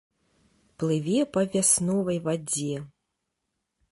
Плыве па вясновай вадзе.